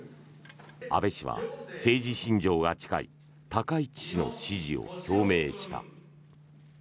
安倍氏は政治信条が近い高市氏の支持を表明した。